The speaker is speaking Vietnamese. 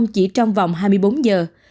chỉ trong vòng hai mươi bốn giờ